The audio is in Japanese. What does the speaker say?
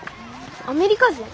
アメリカ人？